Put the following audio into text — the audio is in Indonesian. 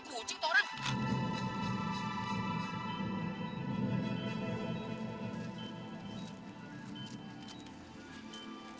berani ngetes orang tua